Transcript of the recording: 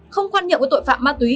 không quan nhận với tội phạm ma túy